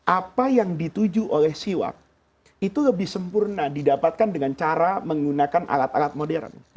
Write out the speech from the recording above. apa yang dituju oleh siwak itu lebih sempurna didapatkan dengan cara menggunakan alat alat modern